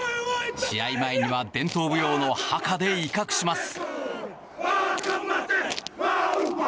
試合前には伝統舞踊のハカで威嚇します。